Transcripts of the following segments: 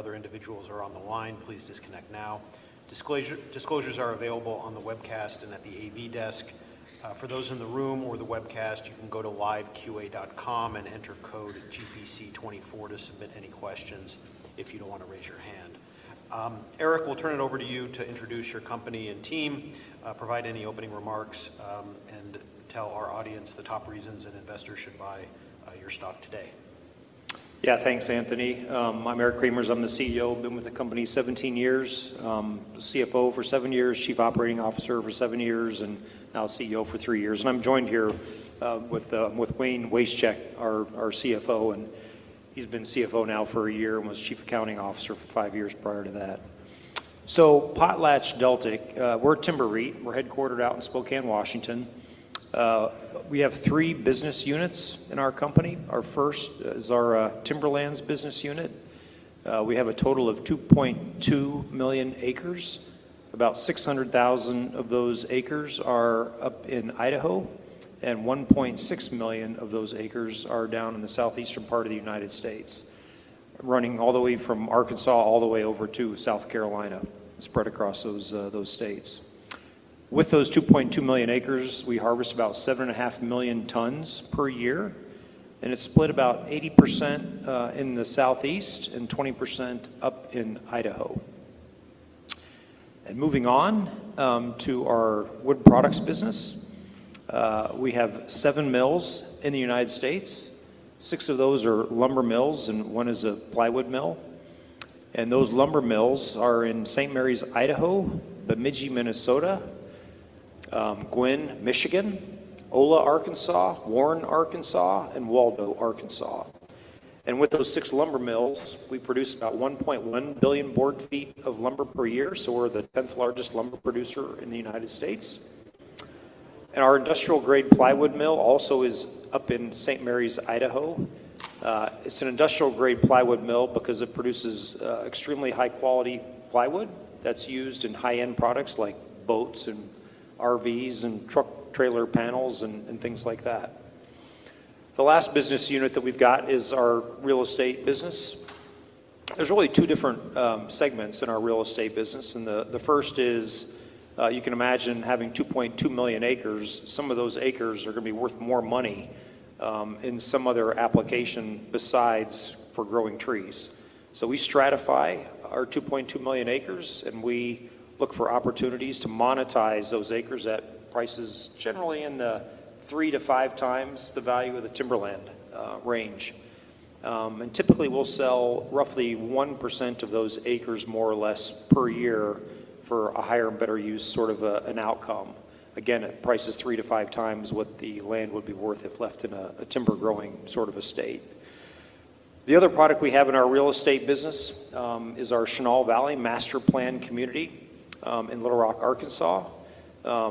Question points only, and so if media or other individuals are on the line, please disconnect now. Disclosures are available on the webcast and at the AV desk. For those in the room or the webcast, you can go to liveqa.com and enter code GPC 24 to submit any questions if you don't want to raise your hand. Eric, we'll turn it over to you to introduce your company and team, provide any opening remarks, and tell our audience the top reasons an investor should buy your stock today. Yeah, thanks, Anthony. I'm Eric Cremers. I'm the CEO. Been with the company 17 years, CFO for seven years, Chief Operating Officer for seven years, and now CEO for three years. I'm joined here with Wayne Wasechek, our CFO, and he's been CFO now for one year and was Chief Accounting Officer for five years prior to that. PotlatchDeltic, we're a timber REIT. We're headquartered out in Spokane, Washington. We have three business units in our company. Our first is our Timberlands business unit. We have a total of 2.2 million acres. About 600,000 of those acres are up in Idaho, and 1.6 million of those acres are down in the southeastern part of the United States, running all the way from Arkansas all the way over to South Carolina, spread across those states. With those 2.2 million acres, we harvest about 7.5 million tons per year, and it's split about 80% in the southeast and 20% up in Idaho. Moving on to our wood products business, we have seven mills in the United States. Six of those are lumber mills, and one is a plywood mill. Those lumber mills are in St. Maries, Idaho, Bemidji, Minnesota, Gwinn, Michigan, Ola, Arkansas, Warren, Arkansas, and Waldo, Arkansas. With those six lumber mills, we produce about 1.1 billion board feet of lumber per year, so we're the 10th largest lumber producer in the United States. Our industrial-grade plywood mill also is up in St. Maries, Idaho. It's an industrial-grade plywood mill because it produces extremely high-quality plywood that's used in high-end products like boats and RVs and truck trailer panels and things like that. The last business unit that we've got is our real estate business. There's really two different segments in our real estate business. The first is, you can imagine, having 2.2 million acres, some of those acres are going to be worth more money in some other application besides for growing trees. So we stratify our 2.2 million acres, and we look for opportunities to monetize those acres at prices generally in the three-five times the value of the timberland range. Typically, we'll sell roughly 1% of those acres more or less per year for a higher and better use sort of an outcome, again, at prices three-five times what the land would be worth if left in a timber-growing sort of estate. The other product we have in our real estate business is our Chenal Valley master planned community in Little Rock, Arkansas.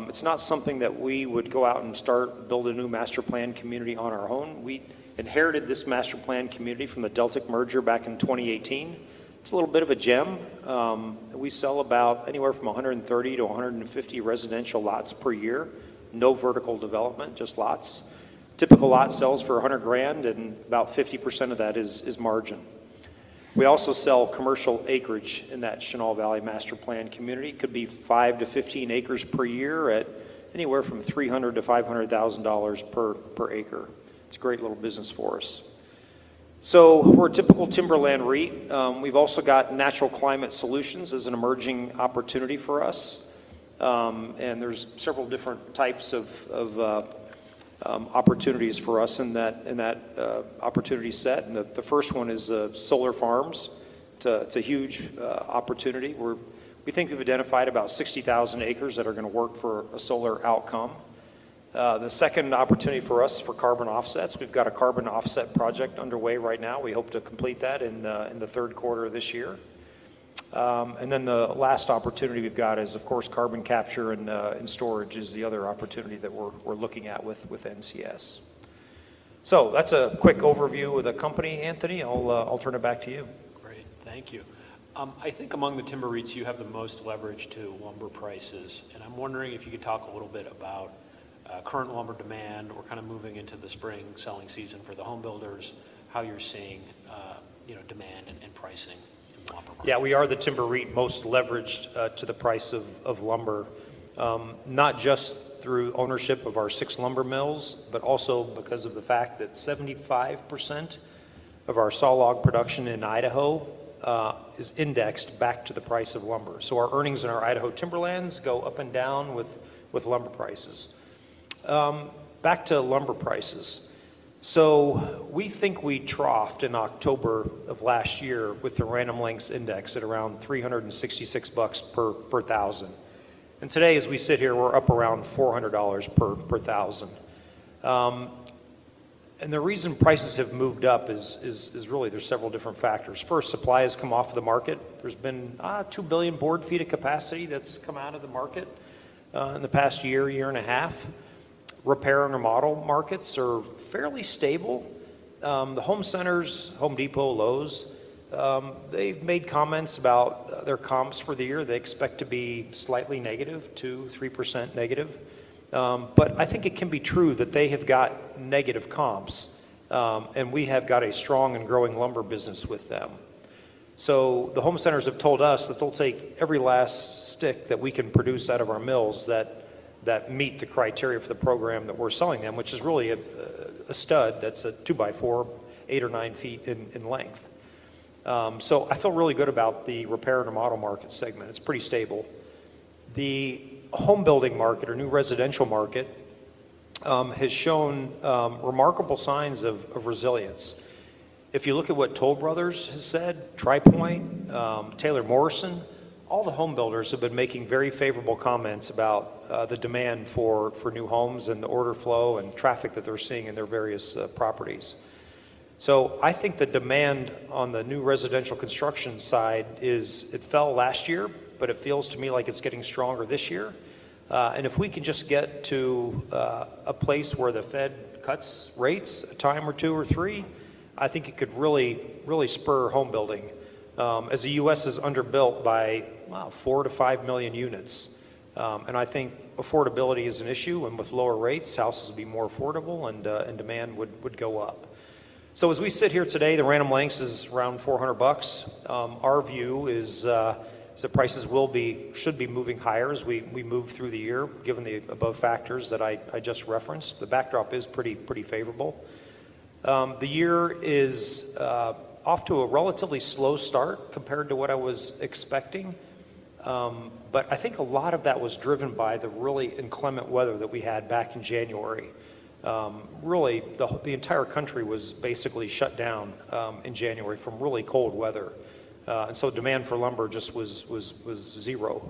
It's not something that we would go out and start building a new master planned community on our own. We inherited this master planned community from the Deltic merger back in 2018. It's a little bit of a gem. We sell anywhere from 130-150 residential lots per year, no vertical development, just lots. Typical lot sells for $100,000, and about 50% of that is margin. We also sell commercial acreage in that Chenal Valley Master Planned Community. It could be five-15 acres per year at anywhere from $300,000-$500,000 per acre. It's a great little business for us. So we're a typical Timberland REIT. We've also got Natural Climate Solutions as an emerging opportunity for us. And there's several different types of opportunities for us in that opportunity set. And the first one is solar farms. It's a huge opportunity. We think we've identified about 60,000 acres that are going to work for a solar outcome. The second opportunity for us is for carbon offsets. We've got a carbon offset project underway right now. We hope to complete that in the third quarter of this year. And then the last opportunity we've got is, of course, carbon capture and storage, the other opportunity that we're looking at with NCS. So that's a quick overview of the company, Anthony. I'll turn it back to you. Great. Thank you. I think among the timber REITs, you have the most leverage to lumber prices. And I'm wondering if you could talk a little bit about current lumber demand. We're kind of moving into the spring selling season for the home builders, how you're seeing demand and pricing in lumber market? Yeah, we are the timber REIT most leveraged to the price of lumber, not just through ownership of our six lumber mills, but also because of the fact that 75% of our sawlog production in Idaho is indexed back to the price of lumber. So our earnings in our Idaho timberlands go up and down with lumber prices. Back to lumber prices. So we think we troughed in October of last year with the Random Lengths index at around $366 per thousand. And today, as we sit here, we're up around $400 per thousand. And the reason prices have moved up is really there's several different factors. First, supply has come off of the market. There's been 2 billion board feet of capacity that's come out of the market in the past year, year and a half. Repair and remodel markets are fairly stable. The home centers, Home Depot, Lowe's, they've made comments about their comps for the year. They expect to be slightly negative, 2%-3% negative. But I think it can be true that they have got negative comps, and we have got a strong and growing lumber business with them. So the home centers have told us that they'll take every last stick that we can produce out of our mills that meet the criteria for the program that we're selling them, which is really a stud that's a 2ft by 4ft, 8ft or 9 ft in length. So I feel really good about the repair and remodel market segment. It's pretty stable. The home building market or new residential market has shown remarkable signs of resilience. If you look at what Toll Brothers has said, Tri Pointe, Taylor Morrison, all the home builders have been making very favorable comments about the demand for new homes and the order flow and traffic that they're seeing in their various properties. So I think the demand on the new residential construction side, it fell last year, but it feels to me like it's getting stronger this year. And if we can just get to a place where the Fed cuts rates a time or two or three, I think it could really spur home building, as the U.S. is underbuilt by 4 million-5 million units. And I think affordability is an issue, and with lower rates, houses will be more affordable, and demand would go up. So as we sit here today, Random Lengths is around $400. Our view is that prices should be moving higher as we move through the year, given the above factors that I just referenced. The backdrop is pretty favorable. The year is off to a relatively slow start compared to what I was expecting, but I think a lot of that was driven by the really inclement weather that we had back in January. Really, the entire country was basically shut down in January from really cold weather. And so demand for lumber just was zero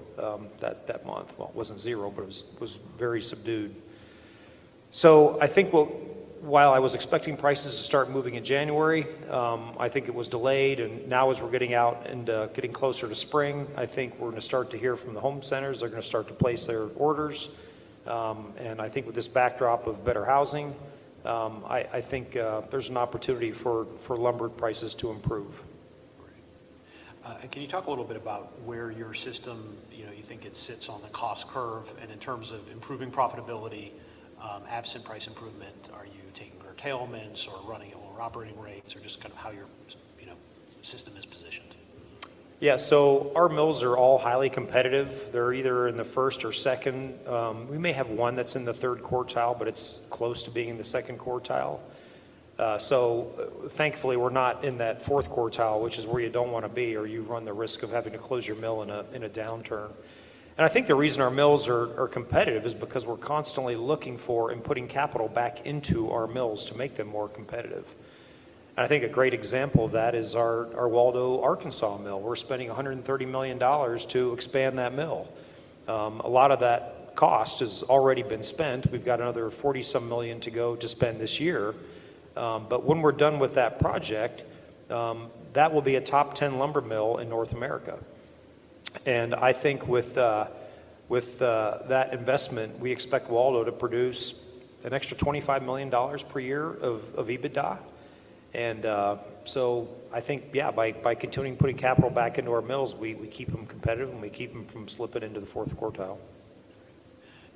that month. Well, it wasn't zero, but it was very subdued. So I think while I was expecting prices to start moving in January, I think it was delayed. And now, as we're getting out and getting closer to spring, I think we're going to start to hear from the home centers. They're going to start to place their orders. I think with this backdrop of better housing, I think there's an opportunity for lumber prices to improve. Great. Can you talk a little bit about where your system you think it sits on the cost curve? And in terms of improving profitability, absent price improvement, are you taking curtailments or running at lower operating rates or just kind of how your system is positioned? Yeah, so our mills are all highly competitive. They're either in the first or second. We may have one that's in the third quartile, but it's close to being in the second quartile. So thankfully, we're not in that fourth quartile, which is where you don't want to be, or you run the risk of having to close your mill in a downturn. And I think the reason our mills are competitive is because we're constantly looking for and putting capital back into our mills to make them more competitive. And I think a great example of that is our Waldo, Arkansas mill. We're spending $130 million to expand that mill. A lot of that cost has already been spent. We've got another 40-some million to go to spend this year. But when we're done with that project, that will be a top 10 lumber mill in North America. I think with that investment, we expect Waldo to produce an extra $25 million per year of EBITDA. So I think, yeah, by continuing to put capital back into our mills, we keep them competitive, and we keep them from slipping into the fourth quartile.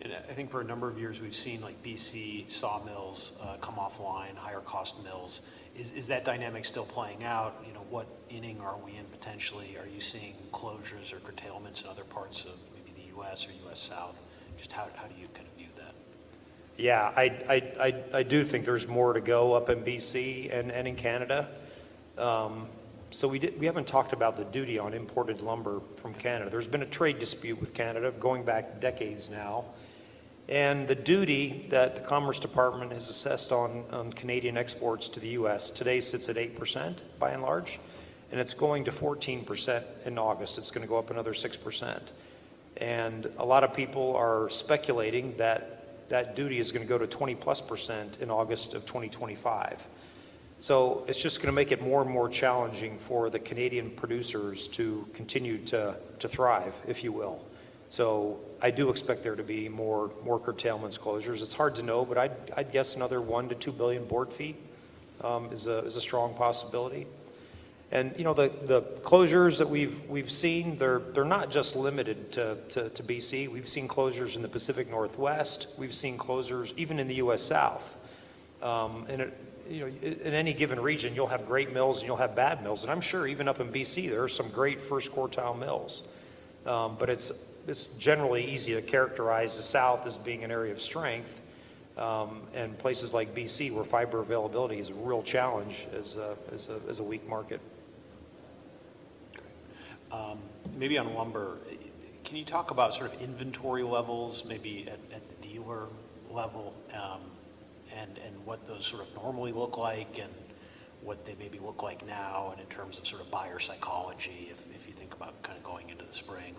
I think for a number of years, we've seen BC sawmills come offline, higher-cost mills. Is that dynamic still playing out? What inning are we in potentially? Are you seeing closures or curtailments in other parts of maybe the U.S. or U.S. South? Just how do you kind of view that? Yeah, I do think there's more to go up in BC and in Canada. So we haven't talked about the duty on imported lumber from Canada. There's been a trade dispute with Canada going back decades now. And the duty that the Commerce Department has assessed on Canadian exports to the U.S. today sits at 8%, by and large. And it's going to 14% in August. It's going to go up another 6%. And a lot of people are speculating that that duty is going to go to 20%+ in August of 2025. So it's just going to make it more and more challenging for the Canadian producers to continue to thrive, if you will. So I do expect there to be more curtailments, closures. It's hard to know, but I'd guess another 1 billion-2 billion board feet is a strong possibility. The closures that we've seen, they're not just limited to BC. We've seen closures in the Pacific Northwest. We've seen closures even in the U.S. South. In any given region, you'll have great mills, and you'll have bad mills. And I'm sure even up in BC, there are some great first-quartile mills. But it's generally easy to characterize the South as being an area of strength and places like BC where fiber availability is a real challenge as a weak market. Great. Maybe on lumber, can you talk about sort of inventory levels, maybe at the dealer level, and what those sort of normally look like and what they maybe look like now and in terms of sort of buyer psychology if you think about kind of going into the spring?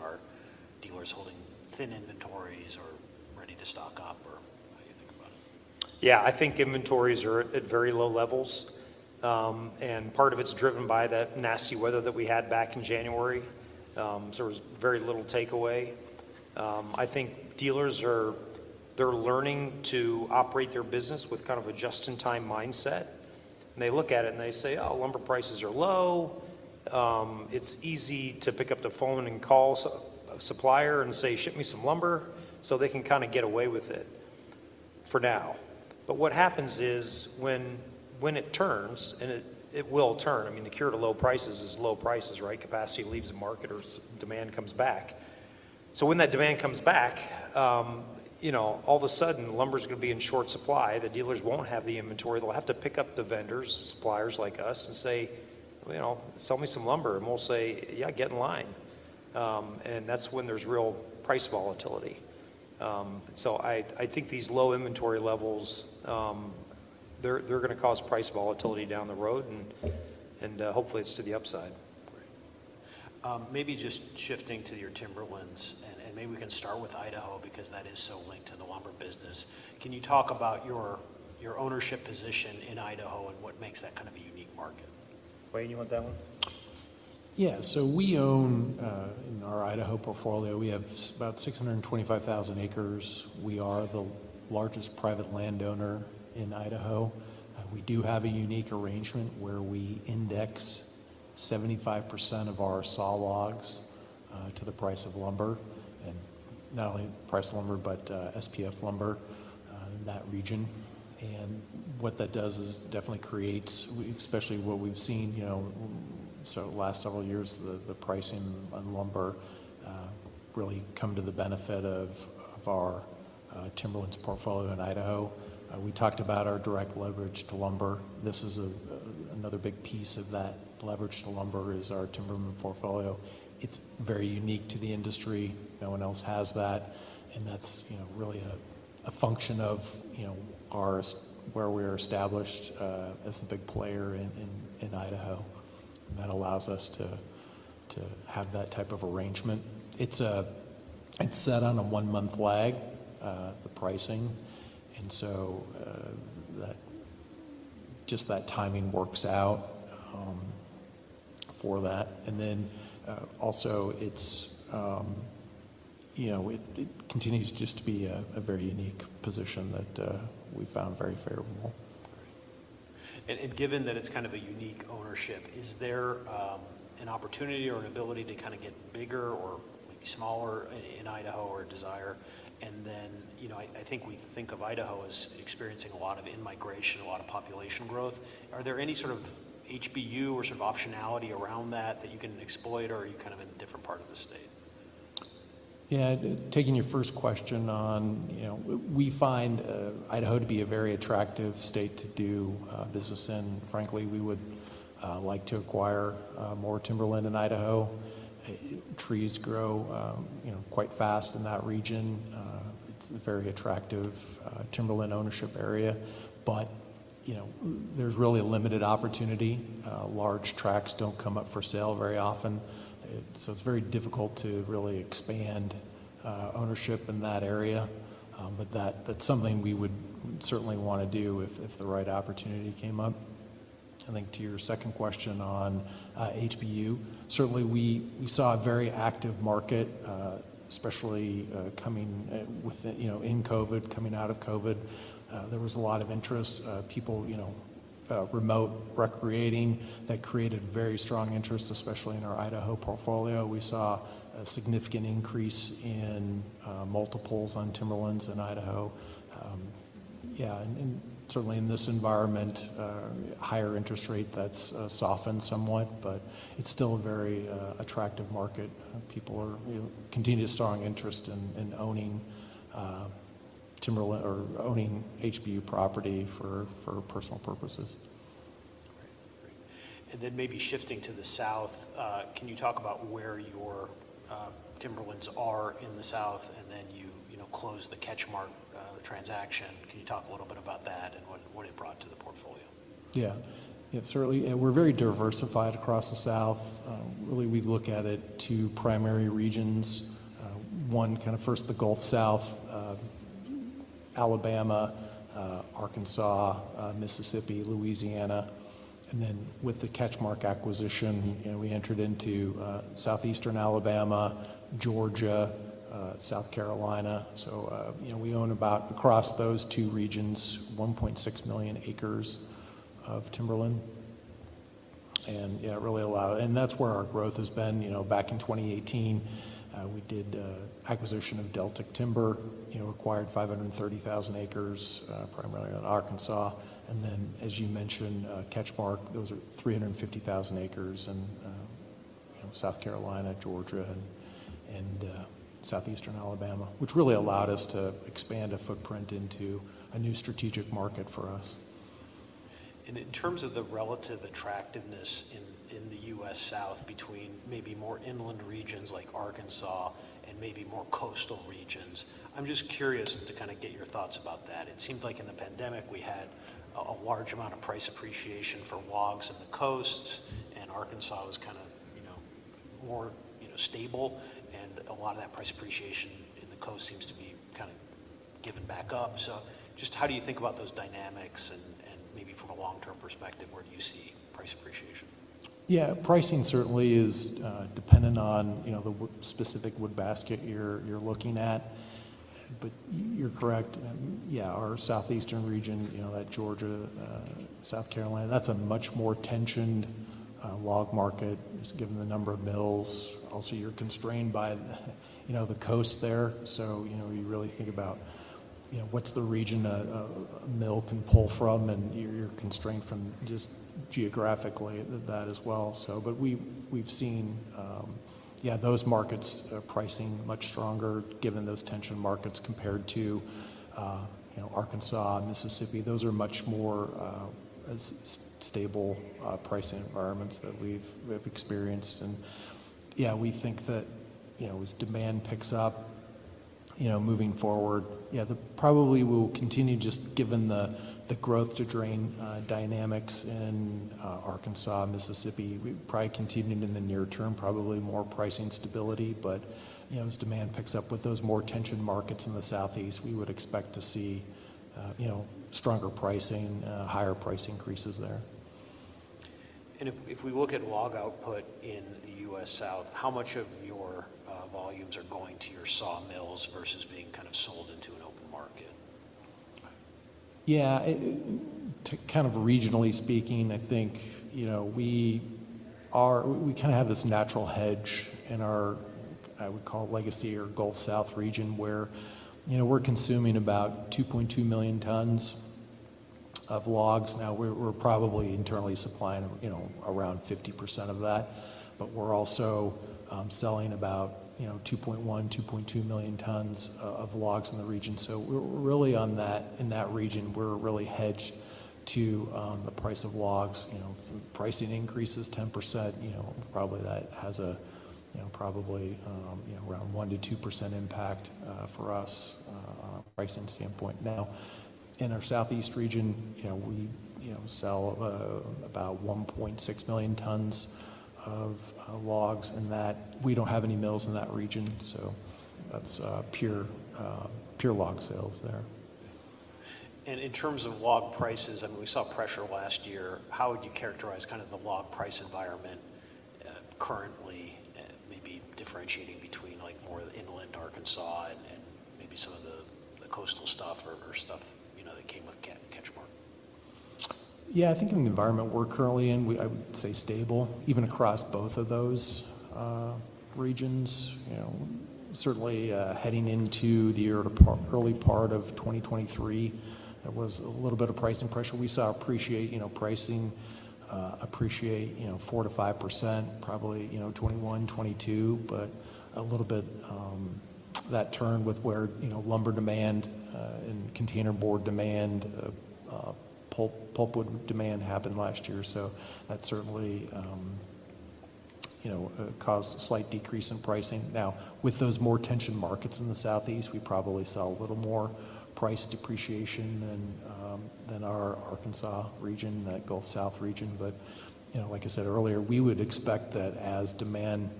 Are dealers holding thin inventories or ready to stock up, or how do you think about it? Yeah, I think inventories are at very low levels. And part of it's driven by that nasty weather that we had back in January. So there was very little takeaway. I think dealers, they're learning to operate their business with kind of a just-in-time mindset. And they look at it, and they say, "Oh, lumber prices are low." It's easy to pick up the phone and call a supplier and say, "Ship me some lumber," so they can kind of get away with it for now. But what happens is when it turns, and it will turn, I mean, the cure to low prices is low prices, right? Capacity leaves the market or demand comes back. So when that demand comes back, all of a sudden, lumber is going to be in short supply. The dealers won't have the inventory. They'll have to pick up the vendors, suppliers like us, and say, "Sell me some lumber." We'll say, "Yeah, get in line." That's when there's real price volatility. So I think these low inventory levels, they're going to cause price volatility down the road. Hopefully, it's to the upside. Great. Maybe just shifting to your timberlands, and maybe we can start with Idaho because that is so linked to the lumber business. Can you talk about your ownership position in Idaho and what makes that kind of a unique market? Wayne, you want that one? Yeah, so we own in our Idaho portfolio, we have about 625,000 acres. We are the largest private landowner in Idaho. We do have a unique arrangement where we index 75% of our saw logs to the price of lumber, and not only price of lumber, but SPF lumber in that region. And what that does is definitely creates, especially what we've seen so last several years, the pricing on lumber really come to the benefit of our Timberlands portfolio in Idaho. We talked about our direct leverage to lumber. This is another big piece of that leverage to lumber is our Timberland portfolio. It's very unique to the industry. No one else has that. And that's really a function of where we are established as a big player in Idaho. And that allows us to have that type of arrangement. It's set on a one-month lag, the pricing. And so just that timing works out for that. And then also, it continues just to be a very unique position that we found very favorable. Great. And given that it's kind of a unique ownership, is there an opportunity or an ability to kind of get bigger or maybe smaller in Idaho or a desire? And then I think we think of Idaho as experiencing a lot of in-migration, a lot of population growth. Are there any sort of HBU or sort of optionality around that that you can exploit, or are you kind of in a different part of the state? Yeah, taking your first question on, we find Idaho to be a very attractive state to do business in. Frankly, we would like to acquire more timberland in Idaho. Trees grow quite fast in that region. It's a very attractive timberland ownership area. But there's really a limited opportunity. Large tracts don't come up for sale very often. So it's very difficult to really expand ownership in that area. But that's something we would certainly want to do if the right opportunity came up. I think to your second question on HBU, certainly, we saw a very active market, especially in COVID, coming out of COVID. There was a lot of interest, people remote recreating that created very strong interest, especially in our Idaho portfolio. We saw a significant increase in multiples on timberlands in Idaho. Yeah, and certainly, in this environment, higher interest rate, that's softened somewhat. But it's still a very attractive market. People continue to show strong interest in owning HBU property for personal purposes. Great. Great. And then maybe shifting to the South, can you talk about where your timberlands are in the South, and then you close the CatchMark transaction? Can you talk a little bit about that and what it brought to the portfolio? Yeah. Yeah, certainly. And we're very diversified across the South. Really, we look at it two primary regions. One, kind of first, the Gulf South: Alabama, Arkansas, Mississippi, Louisiana. And then with the CatchMark acquisition, we entered into southeastern Alabama, Georgia, South Carolina. So we own about, across those two regions, 1.6 million acres of timberland. And yeah, it really allowed and that's where our growth has been. Back in 2018, we did acquisition of Deltic Timber, acquired 530,000 acres, primarily in Arkansas. And then, as you mentioned, CatchMark, those are 350,000 acres in South Carolina, Georgia, and southeastern Alabama, which really allowed us to expand a footprint into a new strategic market for us. In terms of the relative attractiveness in the U.S. South between maybe more inland regions like Arkansas and maybe more coastal regions, I'm just curious to kind of get your thoughts about that. It seemed like in the pandemic, we had a large amount of price appreciation for lots in the coasts, and Arkansas was kind of more stable. And a lot of that price appreciation in the coast seems to be kind of given back up. So just how do you think about those dynamics? And maybe from a long-term perspective, where do you see price appreciation? Yeah, pricing certainly is dependent on the specific wood basket you're looking at. But you're correct. Yeah, our Southeastern region, that Georgia, South Carolina, that's a much more tensioned log market just given the number of mills. Also, you're constrained by the coast there. So you really think about what's the region a mill can pull from, and you're constrained from just geographically that as well. But we've seen, yeah, those markets pricing much stronger given those tension markets compared to Arkansas, Mississippi. Those are much more stable pricing environments that we've experienced. And yeah, we think that as demand picks up moving forward, yeah, probably we'll continue just given the growth-to-drain dynamics in Arkansas, Mississippi. We probably continue in the near term, probably more pricing stability. But as demand picks up with those more tension markets in the Southeast, we would expect to see stronger pricing, higher price increases there. If we look at log output in the U.S. South, how much of your volumes are going to your saw mills versus being kind of sold into an open market? Yeah, kind of regionally speaking, I think we kind of have this natural hedge in our, I would call it, legacy or Gulf South region where we're consuming about 2.2 million tons of logs. Now, we're probably internally supplying around 50% of that. But we're also selling about 2.1-2.2 million tons of logs in the region. So really, in that region, we're really hedged to the price of logs. Pricing increases 10%, probably that has a probably around 1%-2% impact for us on a pricing standpoint. Now, in our Southeast region, we sell about 1.6 million tons of logs. And we don't have any mills in that region. So that's pure log sales there. In terms of log prices, I mean, we saw pressure last year. How would you characterize kind of the log price environment currently, maybe differentiating between more inland Arkansas and maybe some of the coastal stuff or stuff that came with CatchMark? Yeah, I think in the environment we're currently in, I would say stable. Even across both of those regions, certainly heading into the early part of 2023, there was a little bit of pricing pressure. We saw pricing appreciate 4%-5%, probably 2021, 2022, but a little bit that turned with where lumber demand and containerboard demand, pulpwood demand happened last year. So that certainly caused a slight decrease in pricing. Now, with those more tension markets in the Southeast, we probably saw a little more price depreciation than our Arkansas region, that Gulf South region. But like I said earlier, we would expect that as demand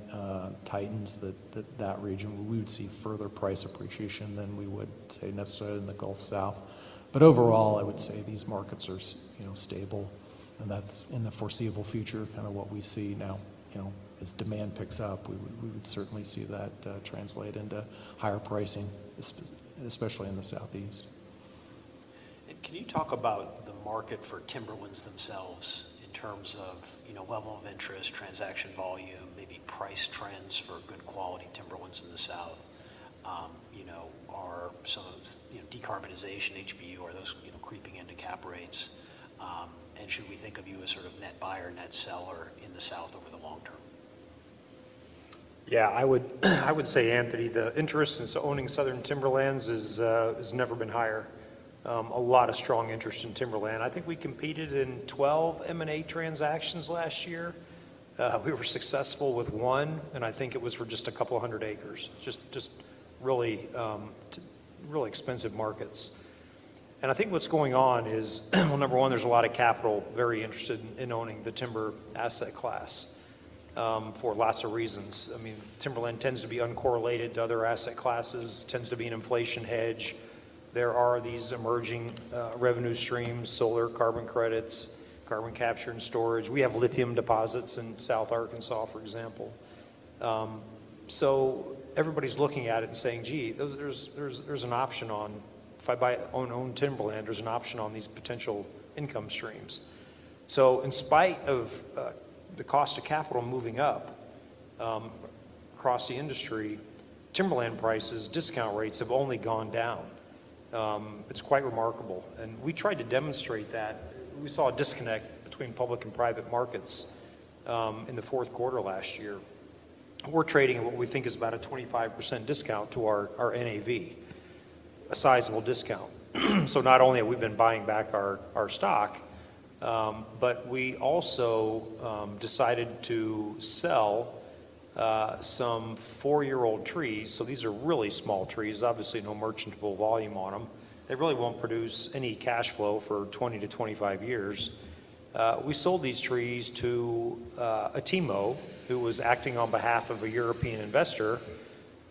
tightens that region, we would see further price appreciation than we would say necessarily in the Gulf South. But overall, I would say these markets are stable. And that's in the foreseeable future kind of what we see now. As demand picks up, we would certainly see that translate into higher pricing, especially in the Southeast. Can you talk about the market for timberlands themselves in terms of level of interest, transaction volume, maybe price trends for good quality timberlands in the South? Are some of decarbonization, HBU, are those creeping into cap rates? Should we think of you as sort of net buyer, net seller in the South over the long term? Yeah, I would say, Anthony, the interest in owning southern timberlands has never been higher. A lot of strong interest in timberland. I think we competed in 12 M&A transactions last year. We were successful with one. And I think it was for just a couple hundred acres, just really expensive markets. And I think what's going on is, well, number one, there's a lot of capital very interested in owning the timber asset class for lots of reasons. I mean, timberland tends to be uncorrelated to other asset classes, tends to be an inflation hedge. There are these emerging revenue streams: solar, carbon credits, carbon capture and storage. We have lithium deposits in South Arkansas, for example. So everybody's looking at it and saying, "Gee, there's an option on if I own timberland, there's an option on these potential income streams." So in spite of the cost of capital moving up across the industry, timberland prices, discount rates have only gone down. It's quite remarkable. And we tried to demonstrate that. We saw a disconnect between public and private markets in the fourth quarter last year. We're trading at what we think is about a 25% discount to our NAV, a sizable discount. So not only have we been buying back our stock, but we also decided to sell some four-year-old trees. So these are really small trees. Obviously, no merchantable volume on them. They really won't produce any cash flow for 20-25 years. We sold these trees to a TIMO who was acting on behalf of a European investor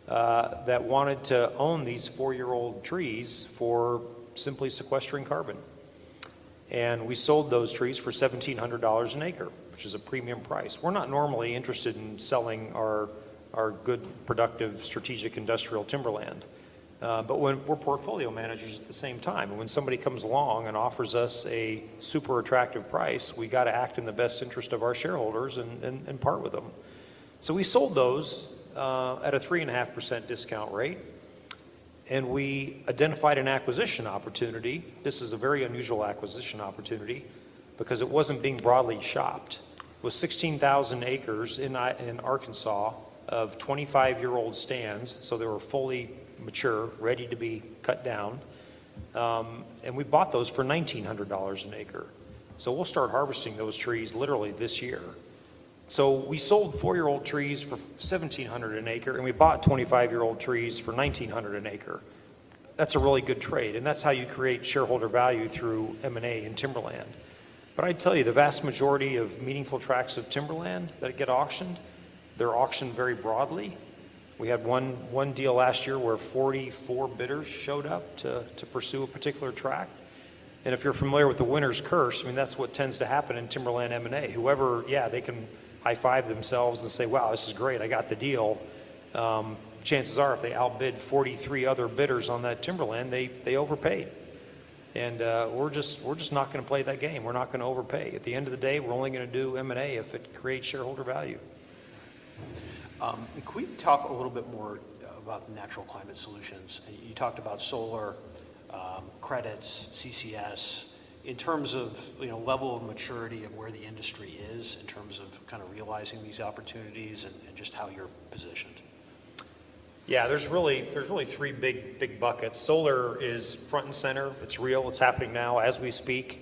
that wanted to own these four-year-old trees for simply sequestering carbon. We sold those trees for $1,700 an acre, which is a premium price. We're not normally interested in selling our good, productive, strategic industrial timberland. But we're portfolio managers at the same time. When somebody comes along and offers us a super attractive price, we got to act in the best interest of our shareholders and part with them. We sold those at a 3.5% discount rate. We identified an acquisition opportunity. This is a very unusual acquisition opportunity because it wasn't being broadly shopped. It was 16,000 acres in Arkansas of 25-year-old stands. They were fully mature, ready to be cut down. We bought those for $1,900 an acre. So we'll start harvesting those trees literally this year. So we sold four-year-old trees for $1,700 an acre, and we bought 25-year-old trees for $1,900 an acre. That's a really good trade. And that's how you create shareholder value through M&A in timberland. But I'd tell you, the vast majority of meaningful tracts of timberland that get auctioned, they're auctioned very broadly. We had one deal last year where 44 bidders showed up to pursue a particular tract. And if you're familiar with the winner's curse, I mean, that's what tends to happen in timberland M&A. Yeah, they can high-five themselves and say, "Wow, this is great. I got the deal." Chances are, if they outbid 43 other bidders on that timberland, they overpaid. And we're just not going to play that game. We're not going to overpay. At the end of the day, we're only going to do M&A if it creates shareholder value. Could we talk a little bit more about Natural Climate Solutions? You talked about solar, credits, CCS. In terms of level of maturity of where the industry is in terms of kind of realizing these opportunities and just how you're positioned? Yeah, there's really three big buckets. Solar is front and center. It's real. It's happening now as we speak.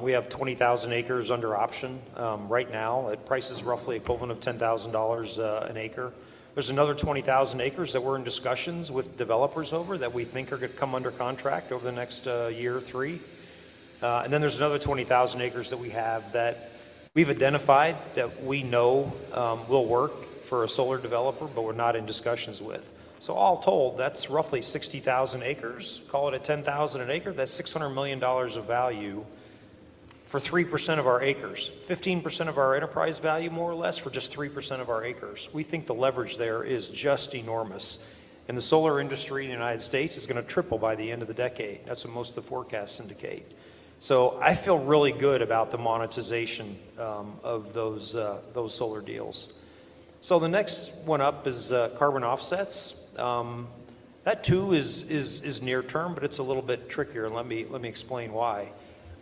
We have 20,000 acres under auction right now. It prices roughly equivalent of $10,000 an acre. There's another 20,000 acres that we're in discussions with developers over that we think are going to come under contract over the next year or three. And then there's another 20,000 acres that we have that we've identified that we know will work for a solar developer, but we're not in discussions with. So all told, that's roughly 60,000 acres. Call it $10,000 an acre. That's $600 million of value for 3% of our acres, 15% of our enterprise value, more or less, for just 3% of our acres. We think the leverage there is just enormous. The solar industry in the United States is going to triple by the end of the decade. That's what most of the forecasts indicate. So I feel really good about the monetization of those solar deals. So the next one up is carbon offsets. That, too, is near term, but it's a little bit trickier. And let me explain why.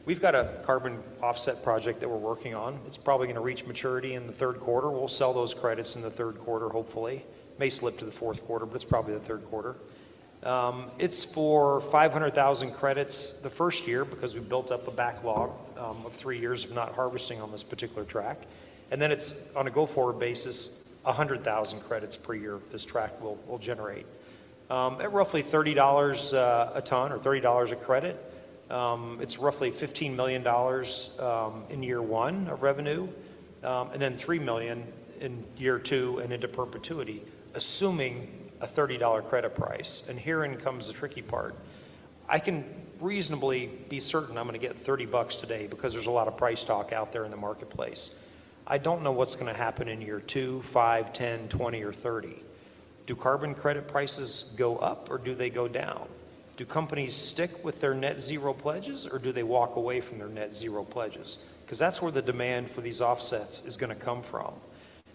We've got a Carbon offset project that we're working on. It's probably going to reach maturity in the third quarter. We'll sell those credits in the third quarter, hopefully. May slip to the fourth quarter, but it's probably the third quarter. It's for 500,000 credits the first year because we built up a backlog of three years of not harvesting on this particular track. And then it's, on a go-forward basis, 100,000 credits per year this track will generate. At roughly $30 a ton or $30 a credit, it's roughly $15 million in year one of revenue and then $3 million in year two and into perpetuity, assuming a $30 credit price. And herein comes the tricky part. I can reasonably be certain I'm going to get 30 bucks today because there's a lot of price talk out there in the marketplace. I don't know what's going to happen in year two, five, 10, 20, or 30. Do carbon credit prices go up, or do they go down? Do companies stick with their net-zero pledges, or do they walk away from their net-zero pledges? Because that's where the demand for these offsets is going to come from.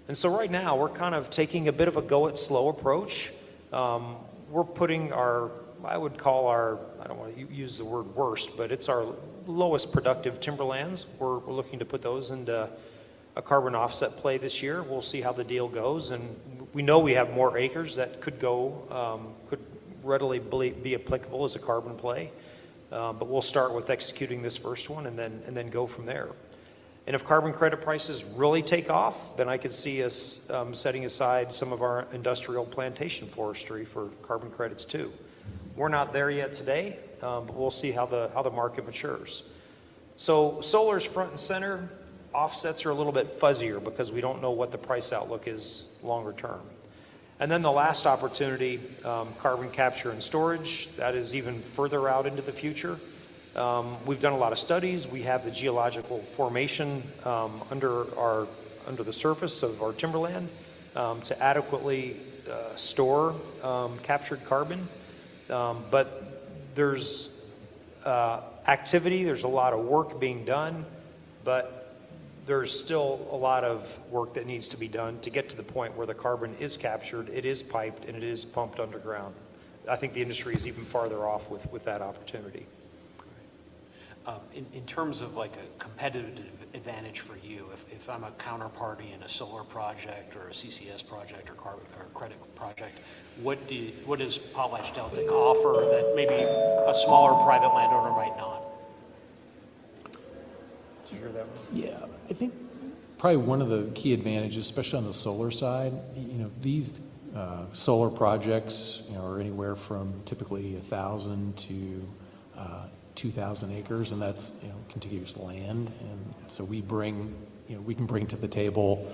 And so right now, we're kind of taking a bit of a go-it-slow approach. We're putting our, I would call our, I don't want to use the word worst, but it's our lowest productive timberlands. We're looking to put those into a carbon offset play this year. We'll see how the deal goes. And we know we have more acres that could readily be applicable as a carbon play. But we'll start with executing this first one and then go from there. And if carbon credit prices really take off, then I could see us setting aside some of our industrial plantation forestry for carbon credits, too. We're not there yet today, but we'll see how the market matures. So solar is front and center. Offsets are a little bit fuzzier because we don't know what the price outlook is longer term. And then the last opportunity, carbon capture and storage. That is even further out into the future. We've done a lot of studies. We have the geological formation under the surface of our timberland to adequately store captured carbon. But there's activity. There's a lot of work being done. But there's still a lot of work that needs to be done to get to the point where the carbon is captured, it is piped, and it is pumped underground. I think the industry is even farther off with that opportunity. In terms of a competitive advantage for you, if I'm a counterparty in a solar project or a CCS project or credit project, what does PotlatchDeltic offer that maybe a smaller private landowner might not? Did you hear that one? Yeah. I think probably one of the key advantages, especially on the solar side, these solar projects are anywhere from typically 1,000 acres-2,000 acres. And that's contiguous land. And so we can bring to the table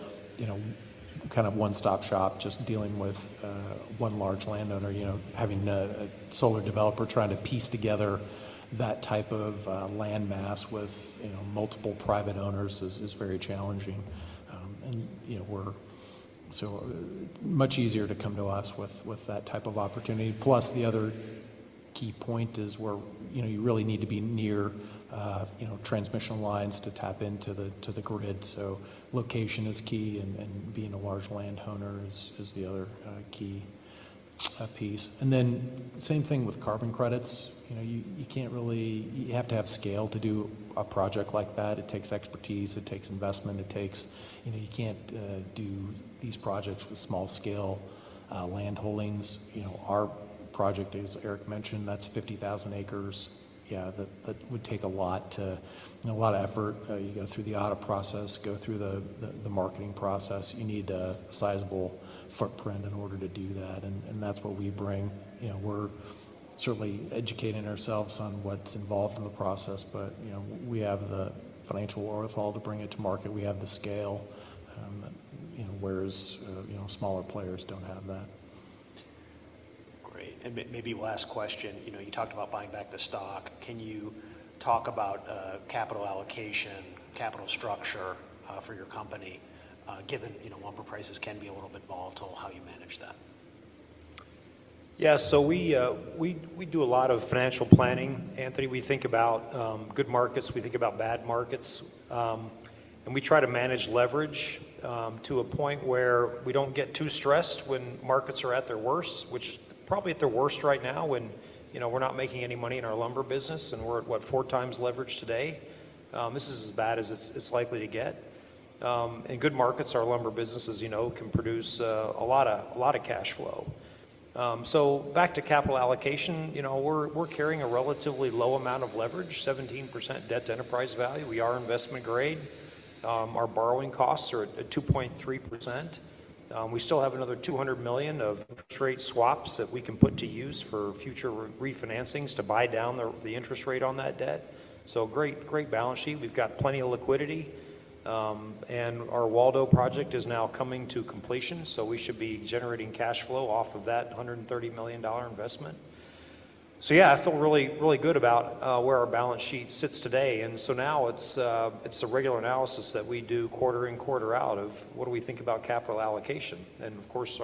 kind of one-stop shop, just dealing with one large landowner, having a solar developer trying to piece together that type of land mass with multiple private owners is very challenging. And so it's much easier to come to us with that type of opportunity. Plus, the other key point is where you really need to be near transmission lines to tap into the grid. So location is key, and being a large landowner is the other key piece. And then same thing with carbon credits. You have to have scale to do a project like that. It takes expertise. It takes investment. You can't do these projects with small-scale land holdings. Our project, as Eric mentioned, that's 50,000 acres. Yeah, that would take a lot to a lot of effort. You go through the audit process, go through the marketing process. You need a sizable footprint in order to do that. And that's what we bring. We're certainly educating ourselves on what's involved in the process. But we have the financial wherewithal to bring it to market. We have the scale, whereas smaller players don't have that. Great. Maybe last question. You talked about buying back the stock. Can you talk about capital allocation, capital structure for your company, given lumber prices can be a little bit volatile, how you manage that? Yeah. So we do a lot of financial planning, Anthony. We think about good markets. We think about bad markets. We try to manage leverage to a point where we don't get too stressed when markets are at their worst, which is probably at their worst right now when we're not making any money in our lumber business. We're at, what, 4x leverage today? This is as bad as it's likely to get. Good markets, our lumber businesses, can produce a lot of cash flow. So back to capital allocation, we're carrying a relatively low amount of leverage, 17% debt to enterprise value. We are investment grade. Our borrowing costs are at 2.3%. We still have another $200 million of interest rate swaps that we can put to use for future refinancings to buy down the interest rate on that debt. So great balance sheet. We've got plenty of liquidity. Our Waldo project is now coming to completion. We should be generating cash flow off of that $130 million investment. Yeah, I feel really good about where our balance sheet sits today. Now it's a regular analysis that we do quarter in, quarter out of what do we think about capital allocation. Of course,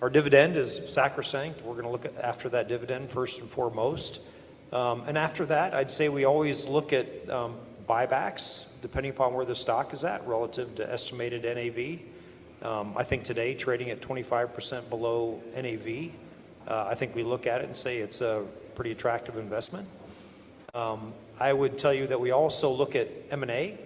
our dividend is sacrosanct. We're going to look after that dividend first and foremost. After that, I'd say we always look at buybacks depending upon where the stock is at relative to estimated NAV. I think today, trading at 25% below NAV, we look at it and say it's a pretty attractive investment. I would tell you that we also look at M&A.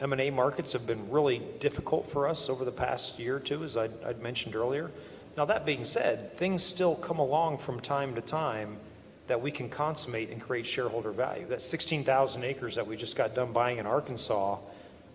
M&A markets have been really difficult for us over the past year or two, as I'd mentioned earlier. Now, that being said, things still come along from time to time that we can consummate and create shareholder value. That 16,000 acres that we just got done buying in Arkansas,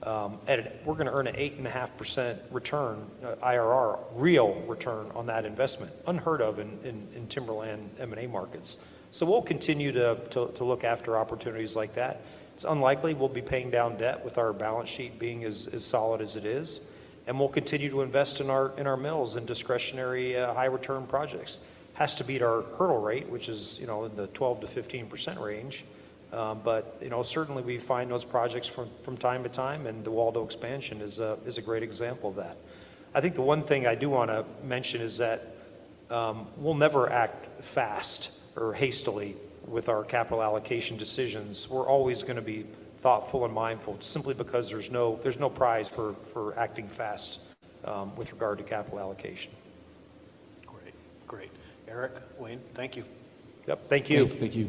we're going to earn an 8.5% return, IRR, real return on that investment, unheard of in timberland M&A markets. So we'll continue to look after opportunities like that. It's unlikely. We'll be paying down debt with our balance sheet being as solid as it is. And we'll continue to invest in our mills in discretionary high-return projects. It has to beat our hurdle rate, which is in the 12%-15% range. But certainly, we find those projects from time to time. And the Waldo expansion is a great example of that. I think the one thing I do want to mention is that we'll never act fast or hastily with our capital allocation decisions. We're always going to be thoughtful and mindful simply because there's no prize for acting fast with regard to capital allocation. Great. Great. Eric, Wayne, thank you. Yep. Thank you. Thank you.